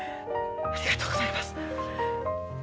ありがとうございます。